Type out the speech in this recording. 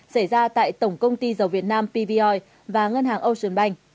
xảy ra tại tổng công ty dầu việt nam pvoi và ngân hàng ocean bank